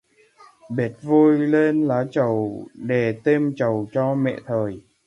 Bệt vôi lên lá trầu đề têm trầu cho Mệ thời